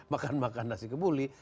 makan makan nasi kebuli